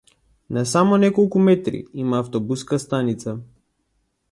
На само неколку метри има автобуска станица.